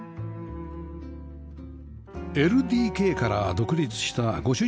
ＬＤＫ から独立したご主人の書斎